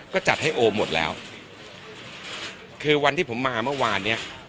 ก็จัดให้โอหมดแล้วคือวันที่ผมมาเมื่อวานเนี้ย